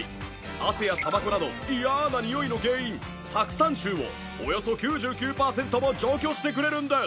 汗やタバコなど嫌なにおいの原因酢酸臭をおよそ９９パーセントも除去してくれるんです。